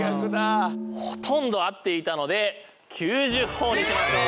ほとんど合っていたので９０ほぉにしましょう。